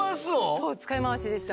そう、使い回しでした。